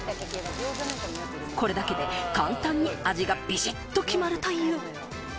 これだけで簡単に味がビシッと決まるという。